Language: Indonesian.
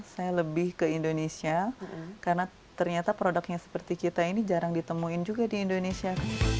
saya lebih ke indonesia karena ternyata produknya seperti kita ini jarang ditemuin juga di indonesia